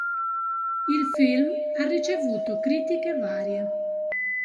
Il film ha ricevuto critiche varie.